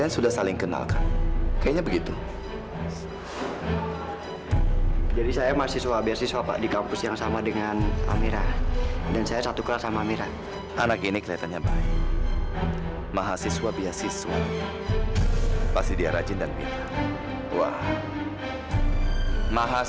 sampai jumpa di video selanjutnya